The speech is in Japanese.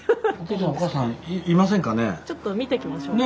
ちょっと見てきましょうか。